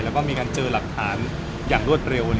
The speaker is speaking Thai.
แล้วก็มีการเจอหลักฐานอย่างรวดเร็ว